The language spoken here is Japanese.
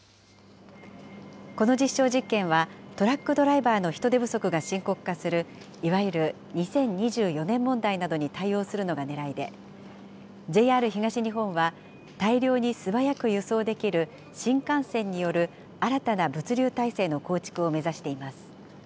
この実証実験は、トラックドライバーの人手不足が深刻化するいわゆる２０２４年問題などに対応するのがねらいで、ＪＲ東日本は、大量に素早く輸送できる新幹線による新たな物流体制の構築を目指しています。